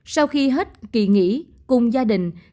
sau khi hết kỳ nghỉ cùng gia đình các doanh nghiệp sẽ bố trí